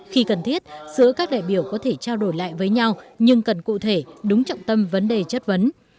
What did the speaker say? khi cần thiết giữa các đại biểu có thể trao đổi lại với nhau nhưng cần cụ thể đúng trọng tâm vấn đề chất vấn